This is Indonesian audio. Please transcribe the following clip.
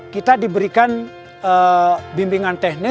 kita diberikan bimbingan teknis